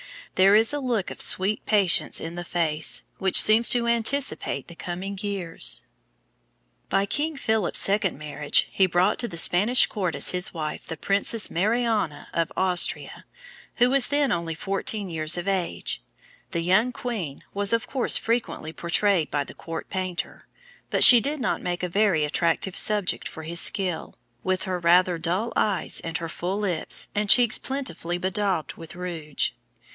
There is a look of sweet patience in the face, which seems to anticipate the coming years. [Illustration: PRINCESS MARIA THERESA. VELASQUEZ.] By King Philip's second marriage he brought to the Spanish court as his wife the Princess Mariana of Austria, who was then only fourteen years of age. The young queen was of course frequently portrayed by the court painter, but she did not make a very attractive subject for his skill, with her rather dull eyes and her full lips, and cheeks plentifully bedaubed with rouge.